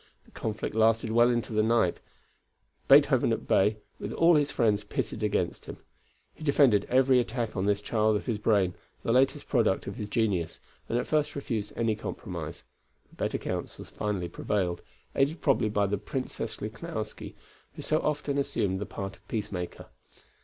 The conflict lasted well into the night, Beethoven at bay, with all his friends pitted against him. He defended every attack on this child of his brain, the latest product of his genius, and at first refused any compromise, but better counsels finally prevailed, aided probably by the Princess Lichnowsky, who so often assumed the part of peacemaker.